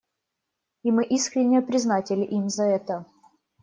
И мы искренне признательны им за это.